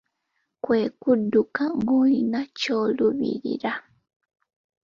Kwe kudduka ng'olina ky’oluubirira.